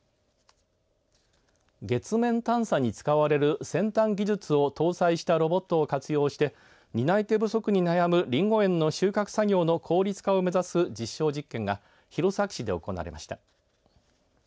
月面探査に使われる先端技術を搭載したロボットを活用して担い手不足に悩むりんご園の収穫作業を効率化を目指す実証実験が弘前市で行われました。